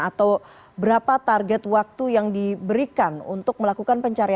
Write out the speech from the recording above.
atau berapa target waktu yang diberikan untuk melakukan pencarian